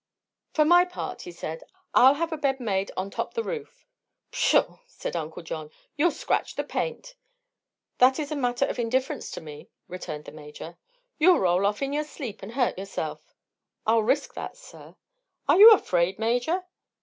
"For my part," he said, "I'll have a bed made on top the roof." "Pshaw!" said Uncle John; "you'll scratch the paint." "That is a matter of indifference to me," returned the Major. "You'll roll off, in your sleep, and hurt yourself." "I'll risk that, sir." "Are you afraid, Major?"